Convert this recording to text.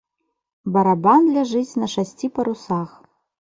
Барабан ляжыць на шасці парусах.